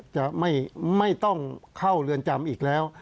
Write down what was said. จะไม่ต้องเข้าเรือนจำอีกแล้ว